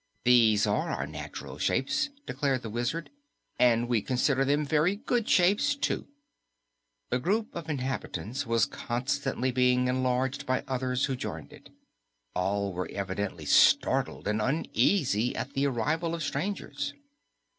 "These are our natural shapes," declared the Wizard, "and we consider them very good shapes, too." The group of inhabitants was constantly being enlarged by others who joined it. All were evidently startled and uneasy at the arrival of strangers.